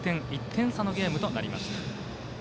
１点差のゲームとなりました。